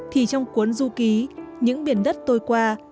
thì trong cuốn du ký những biển đất tôi qua